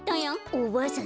おばあさん